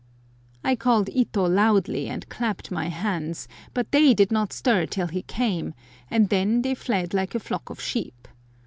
I called Ito loudly, and clapped my hands, but they did not stir till he came, and then they fled like a flock of sheep.